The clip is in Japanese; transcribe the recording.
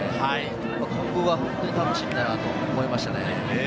今後が本当に楽しみだと思いましたね。